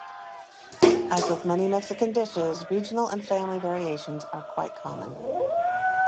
As with many Mexican dishes, regional and family variations are quite common.